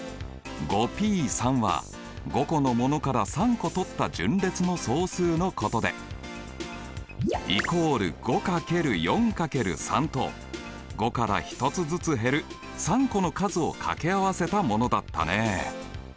Ｐは５個のものから３個とった順列の総数のことでイコール５×４×３と５から１つずつ減る３個の数をかけ合わせたものだったね。